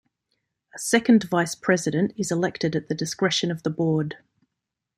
A Second Vice president is elected at the discretion of the Board.